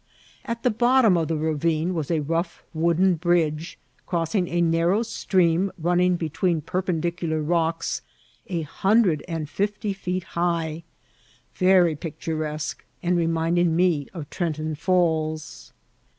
At the bottom of the ravine was a rough wooden bridge crossing a narrow stream running between perpendicular rocks a hundred and fifty feet high, very picturesque, and re minding me of Trenton Falls.